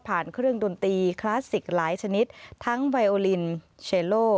เครื่องดนตรีคลาสสิกหลายชนิดทั้งไบโอลินเชโล